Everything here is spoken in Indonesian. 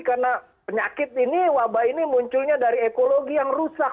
karena penyakit ini wabah ini munculnya dari ekologi yang rusak